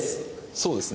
そうですね。